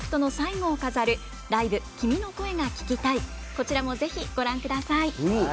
こちらもぜひご覧ください。